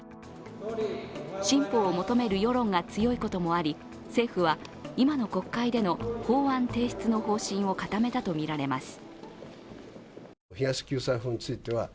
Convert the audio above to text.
新法を求める世論が強いこともあり政府は今の国会での法案提出の方針を固めたとみられます。